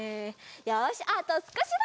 よしあとすこしだ！